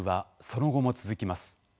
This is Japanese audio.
その後も続きます。